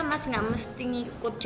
bicet sudah ya